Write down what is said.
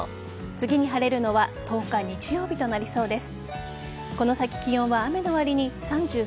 次に晴れるのは１０日日曜日となりそうです。